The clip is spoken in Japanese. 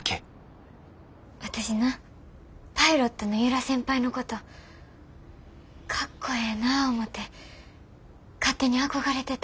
私なパイロットの由良先輩のことかっこええな思て勝手に憧れてた。